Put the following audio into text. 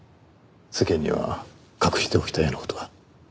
世間には隠しておきたいような事が。